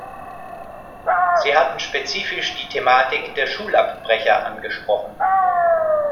Sie hatten spezifisch die Thematik der Schulabbrecher angesprochen.